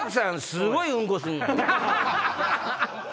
すごいうんこすんのよ。